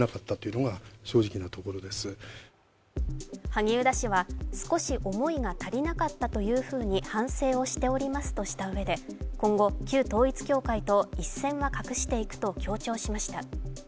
萩生田氏は、少し思いが足りなかったというふうに反省をしておりますとしたうえで今後、旧統一教会と一線は画していくと強調しました。